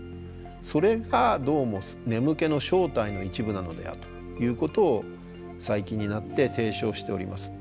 それがどうも眠気の正体の一部なのではということを最近になって提唱しております。